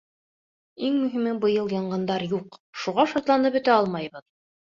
Иң мөһиме — быйыл янғындар юҡ, шуға шатланып бөтә алмайбыҙ.